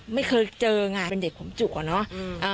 ไม่เคยเจ้กในเป็นเด็กข่มจุกอ่อเนาะ